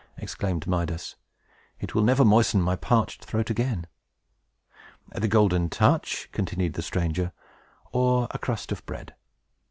exclaimed Midas. "It will never moisten my parched throat again!" "The Golden Touch," continued the stranger, "or a crust of bread?"